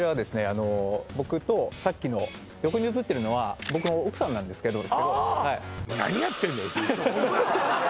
あの僕とさっきの横に写ってるのは僕の奥さんなんですけどああ